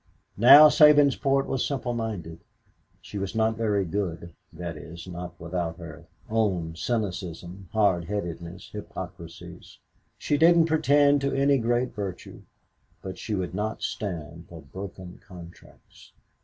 Now Sabinsport was simple minded. She was not very good that is, not without her own cynicism, hard headedness, hypocrisies. She didn't pretend to any great virtue, but she would not stand for broken contracts.